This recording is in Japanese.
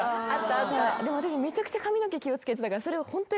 私めちゃくちゃ髪の毛気を付けてたからそれを。